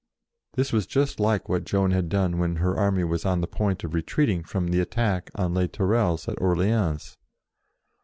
This was just like what Joan had done when her army was on the point of re treating from the attack on Les Tourelles, at Orleans.